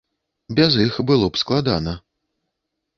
Без іх было б складана.